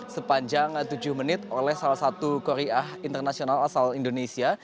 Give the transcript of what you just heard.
sepanjang tujuh menit oleh salah satu koriah internasional asal indonesia